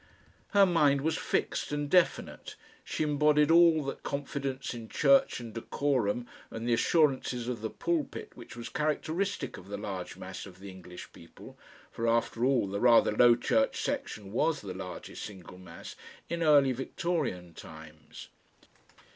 Her mind was fixed and definite, she embodied all that confidence in church and decorum and the assurances of the pulpit which was characteristic of the large mass of the English people for after all, the rather low Church section WAS the largest single mass in early Victorian times.